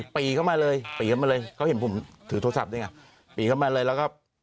ปีเข้ามาเลยปีเข้ามาเลยเขาเห็นผมถือโทรศัพท์ด้วยไงปีเข้ามาเลยแล้วก็